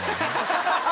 ハハハハ！